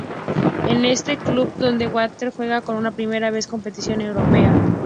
Es en este club donde Walter, juega por primera vez competición Europea.